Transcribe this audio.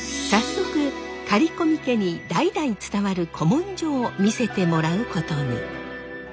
早速刈込家に代々伝わる古文書を見せてもらうことに。